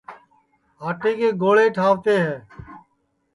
اور اُسݪوݪے آٹے کے گوݪے ٹھاوتے ہے